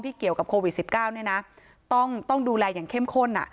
ที่เกี่ยวกับโควิด๑๙ต้องดูแลอย่างเข้มข้น